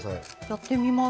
やってみます。